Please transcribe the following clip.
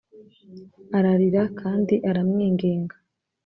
ararira kandi aramwinginga.